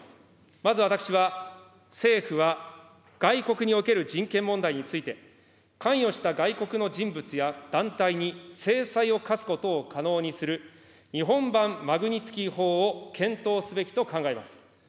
まず、私は政府は外国における人権問題について、関与した外国の人物や団体に制裁を科すことを可能にする、日本版マグニツキー法を検討すべきと考えます。